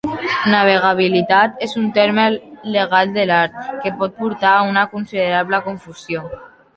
"Navegabilitat" és un terme legal de l'art, que pot portar a una considerable confusió.